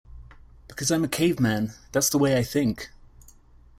Because I'm a caveman -- that's the way I think.